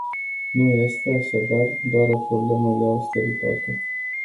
Nu este, așadar, doar o problemă de austeritate.